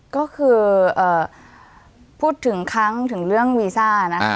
ก็คือพูดถึงครั้งถึงเรื่องวีซ่านะคะ